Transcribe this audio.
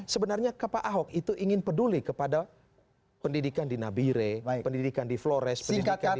sebenarnya pak ahok itu ingin peduli kepada pendidikan di nabire pendidikan di flores pendidikan di